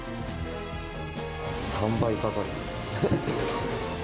３倍かかる。